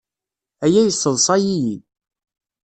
Aya yesseḍsay-iyi.